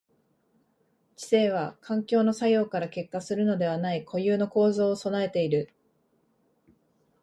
知性は環境の作用から結果するのでない固有の構造を具えている。